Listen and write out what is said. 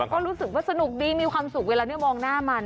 ก็รู้สึกว่าสนุกดีมีความสุขเวลานี้มองหน้ามัน